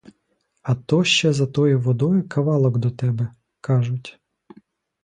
А то ще за тою водою кавалок до тебе, кажуть.